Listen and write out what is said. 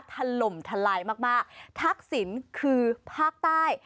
ทะลมทะลายมากทักศิลป์คือภาคใต้